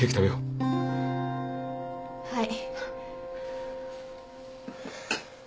はい。